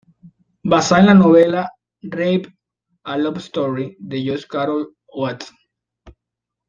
Basada en la novela" Rape: A Love Story" de Joyce Carol Oates.